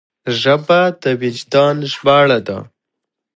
ژبه د وجدان ژباړه ده